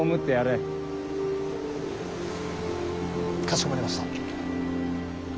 かしこまりました。